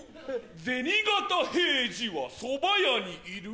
銭形平次はそば屋にいる